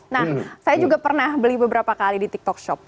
nah saya juga pernah beli beberapa kali di tiktok shop